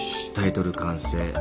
タイトル完成。